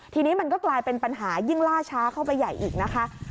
ทีนี้มันก็กลายเป็นปัญหายิ่งล่าช้าเข้าไปใหญ่อีกนะคะ